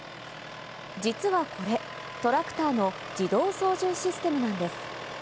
実はこれ、トラクターの自動操縦システムなんです。